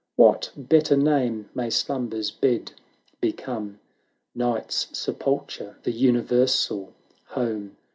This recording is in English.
What better name may Slumber's bed become ? Night's sepulchre, the universal home.